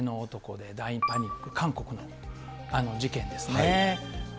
黒ずくめの男で大パニック、韓国の事件ですね。